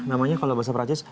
apa namanya kalau bahasa prancis